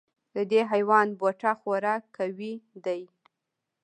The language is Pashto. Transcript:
د دې حیوان بوټه خورا قوي دی.